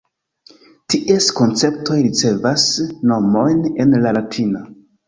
Ties konceptoj ricevas nomojn en la latina.